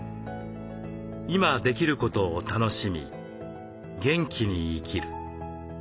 今できることを楽しみ元気に生きる」。